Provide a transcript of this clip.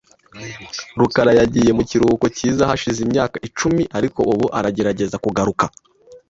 rukara yagiye mu kiruhuko cyiza hashize imyaka icumi, ariko ubu aragerageza kugaruka .